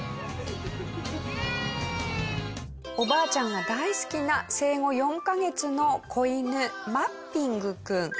おばあちゃんが大好きな生後４カ月の子犬マッピングくん。